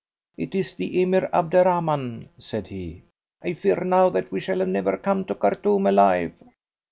"It is the Emir Abderrahman," said he. "I fear now that we shall never come to Khartoum alive."